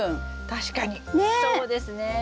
確かにそうですね。ね！